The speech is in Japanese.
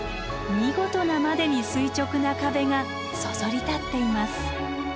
見事なまでに垂直な壁がそそり立っています。